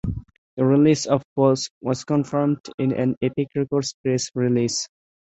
The release of "Pose" was confirmed in an Epic Records press release.